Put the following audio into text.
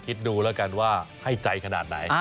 คิดดูแล้วกันว่าให้ใจขนาดไหน